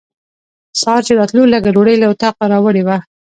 سهار چې راتلو لږه ډوډۍ له اطاقه راوړې وه.